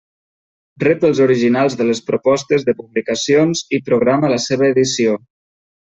Rep els originals de les propostes de publicacions i programa la seva edició.